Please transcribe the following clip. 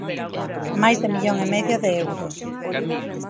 Máis de millón e medio de euros.